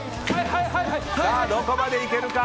さあ、どこまでいけるか。